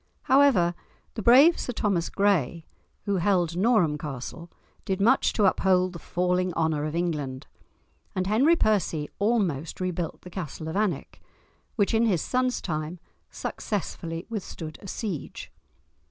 However, the brave Sir Thomas Gray, who held Norham Castle, did much to uphold the falling honour of England, and Henry Percy almost rebuilt the castle of Alnwick, which in his son's time successfully withstood a siege.